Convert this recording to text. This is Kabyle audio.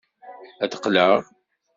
Ad qqleɣ.